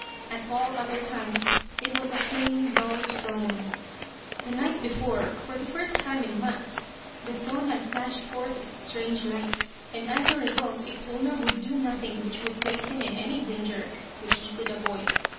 At all other times it was a plain dull stone. "The night before, for the first time in months, the stone had flashed forth its strange light; and as a result its owner would do nothing which would place him in any danger which he could avoid.